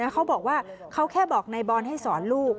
เขาบอกว่าเขาแค่บอกนายบอลให้สอนลูก